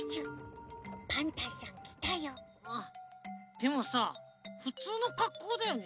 でもさふつうのかっこうだよね。